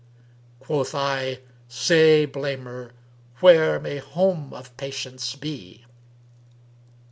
* Quoth I, 'Say, blamer, where may home of Patience be?'"